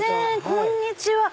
こんにちは。